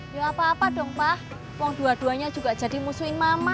ya apa apa dong pak mau dua duanya juga jadi musuhin mama